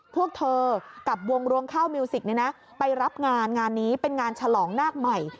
พวกเธอกับวงรวงข้าวมิวสิกไปรับงานงานนี้เป็นงานฉลองนาคใหม่